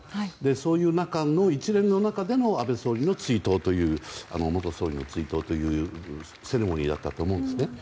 そういう中の一連の中での安倍元総理の追悼というセレモニーだったと思うんですね。